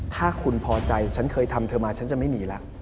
ถ้าคุณพอใจฉันเคยทำเธอมาฉันจะไม่มีแล้ว